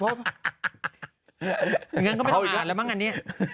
อย่างนั้นก็ไม่ต้องอ่านแล้วบ้างกันเนี่ย